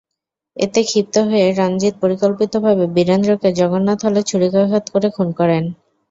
এতে ক্ষিপ্ত হয়ে রণজিৎ পরিকল্পিতভাবে বীরেন্দ্রকে জগন্নাথ হলে ছুরিকাঘাত করে খুন করেন।